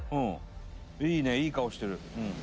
いいね、いい顔してる。